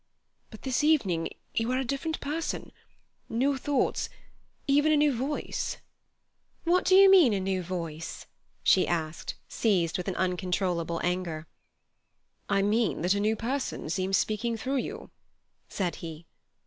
But this evening you are a different person: new thoughts—even a new voice—" "What do you mean by a new voice?" she asked, seized with incontrollable anger. "I mean that a new person seems speaking through you," said he.